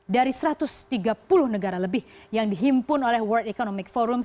dari satu ratus tiga puluh negara lebih yang dihimpun oleh world economic forum